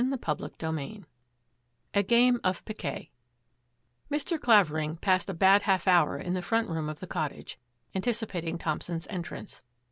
CHAPTER XVI A GAME OF PIQUET Mr. Claverlng passed a bad half hour in the front room of the cottage, anticipating Thompson's entrance.